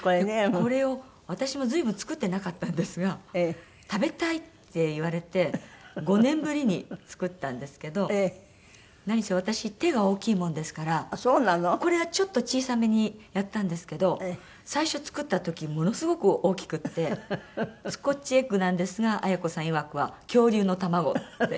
これを私も随分作ってなかったんですが「食べたい」って言われて５年ぶりに作ったんですけど何せ私手が大きいもんですからこれはちょっと小さめにやったんですけど最初作った時ものすごく大きくってスコッチエッグなんですがあや子さんいわくは恐竜の卵って。